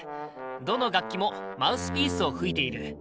どの楽器もマウスピースを吹いている。